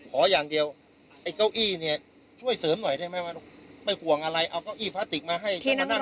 ขออย่างเดียวไอ้เก้าอี้เนี่ยช่วยเสริมหน่อยได้ไหมว่าไม่ห่วงอะไรเอาเก้าอี้พลาสติกมาให้มานั่ง